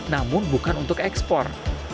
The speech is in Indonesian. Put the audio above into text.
namun bukan untuk ekspor